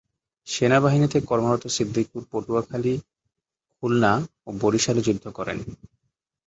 সেনাবাহিনীতে কর্মরত সিদ্দিকুর পটুয়াখালী, খুলনা ও বরিশালে যুদ্ধ করেন।